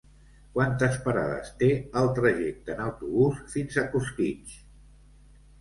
Quantes parades té el trajecte en autobús fins a Costitx?